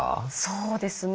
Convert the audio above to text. そうですね